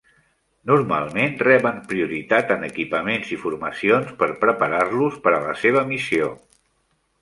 Normalment reben prioritat en equipaments i formacions per preparar-los per a la seva missió.